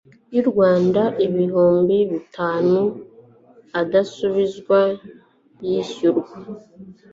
y'u Rwanda ibihumbi bitanu adasubizwa yishyurwa